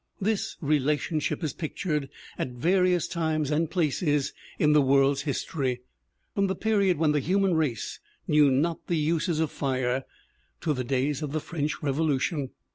This relation ship is pictured at various times and places in the world's history, from the period when the human race knew not the uses of fire to the days of the French Revolution.